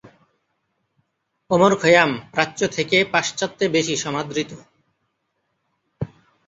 ওমর খৈয়াম প্রাচ্য থেকে পাশ্চাত্যে বেশি সমাদৃত।